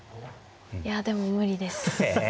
いやでも無理です。え！